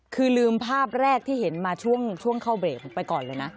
คือลืมภาพแรกที่เห็นมาช่วงเข้าเบรกผมไปก่อนเลยนะ